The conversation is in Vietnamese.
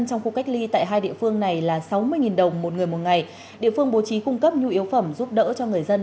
trong khu cách ly tại hai địa phương này là sáu mươi đồng một người một ngày địa phương bố trí cung cấp nhu yếu phẩm giúp đỡ cho người dân